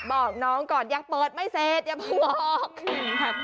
บอกน้องก่อนยังเปิดไม่เสร็จอย่าเพิ่งบอก